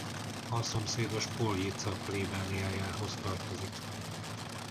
A szomszédos Poljica plébániájához tartozik.